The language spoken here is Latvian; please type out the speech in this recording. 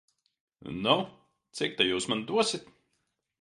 Nu, cik ta jūs man dosit?